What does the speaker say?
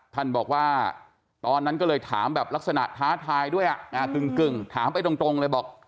ท่านบอกว่าตอนนั้นก็เลยถามแบบลักษณะท้าทายด้วยกึ่งถามไปตรงเลยบอก